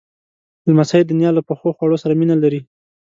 لمسی د نیا له پخو خواړو سره مینه لري.